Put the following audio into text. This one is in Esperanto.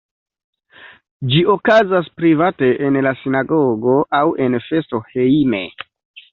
Ĝi okazas private en la sinagogo aŭ en festo hejme.